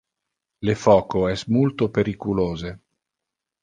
Le foco es multo periculose.